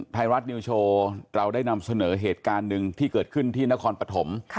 ไทยรัฐนิวโชว์เราได้นำเสนอเหตุการณ์หนึ่งที่เกิดขึ้นที่นครปฐม